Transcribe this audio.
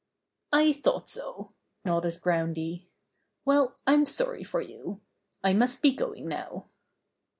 "I thought so," nodded Groundy. "Well, I'm sorry for you. I must be going now."